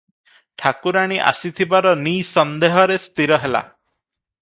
ଠାକୁରାଣୀ ଆସିଥିବାର ନିଃସନ୍ଦେହରେ ସ୍ଥିର ହେଲା ।